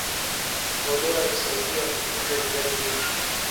mbolea husaidia kukuza viazi lishe